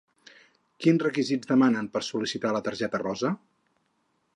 Quins requisits demanen per sol·licitar la targeta rosa?